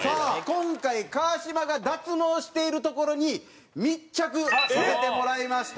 今回川島が脱毛しているところに密着させてもらいましたんで。